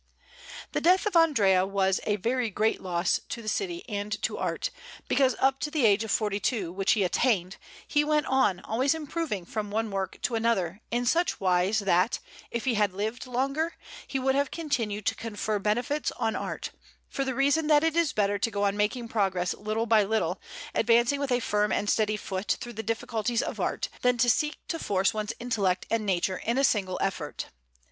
The death of Andrea was a very great loss to the city and to art, because up to the age of forty two, which he attained, he went on always improving from one work to another in such wise that, if he had lived longer, he would have continued to confer benefits on art; for the reason that it is better to go on making progress little by little, advancing with a firm and steady foot through the difficulties of art, than to seek to force one's intellect and nature in a single effort.